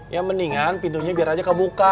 yang mendingan pintunya biar aja kebuka